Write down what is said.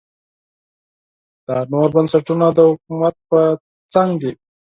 دا نور بنسټونه د حکومت په څنګ دي.